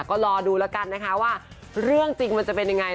ก็รอดูแล้วกันนะคะว่าเรื่องจริงมันจะเป็นยังไง